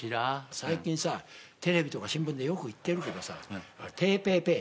最近さテレビとか新聞でよく言ってるけどさテーペーペー。